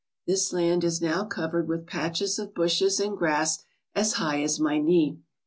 This land is now covered with patches of bushes and grass as high as my knee.